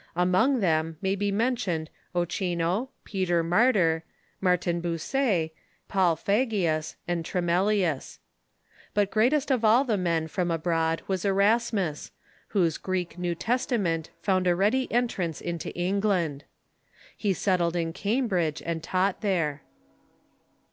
Among them may be mentioned Ochino, Peter Martyr, Mar tin Bucer, Paul Fagius, and Tremellius. But greatest of all the men from abroad was Erasmus, whose Greek New Testa ment found a ready entrance into England. He settled in Cambridge, and taught thei'e.